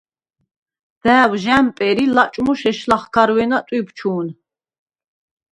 და̄̈ვ ჟ’ა̈მპერ ი ლაჭმუშ ეშ ლახქარვე̄ნა ტვიბჩუ̄ნ.